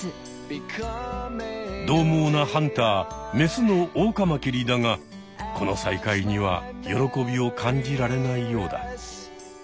どうもうなハンターメスのオオカマキリだがこの再会には喜びを感じられないようだ。